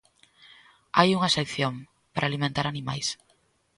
Hai unha excepción: para alimentar animais.